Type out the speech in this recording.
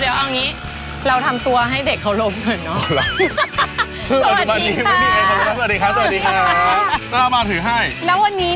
เดี๋ยวเอางี้เราทำตัวให้เด็กเขาล้มหน่อยเนอะ